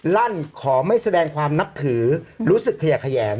ลั่นขอไม่แสดงความนับถือรู้สึกขยะแขยง